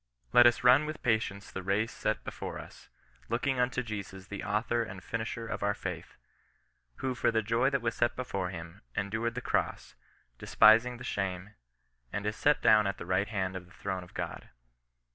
Let us run with patience the race set before us, looking unto Jesus the author and finisher of our faith ; who for the joy that was set before him, en dured the cross, despising the shame, and is set down at the right hand of the throne of God."